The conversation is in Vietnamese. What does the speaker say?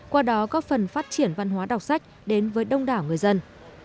qua đó góp phần phát triển văn hóa đọc sách đến với đông đảo người dân